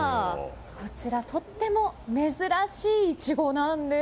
こちらとても珍しいイチゴなんです。